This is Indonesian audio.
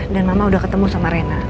dan mama udah ketemu sama rena